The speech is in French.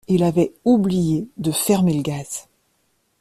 Il avait oublié de fermer le gaz.